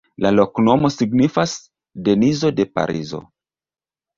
La loknomo signifas: Denizo de Parizo.